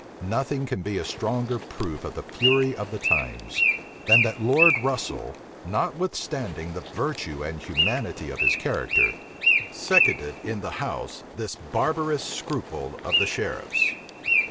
Nothing can be a stronger proof of the fury of the times, than that Lord Russel, notwithstanding the virtue and humanity of his character, seconded in the house this barbarous scruple of the Sheriffs.